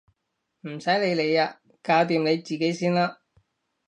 唔使你理啊！搞掂你自己先啦！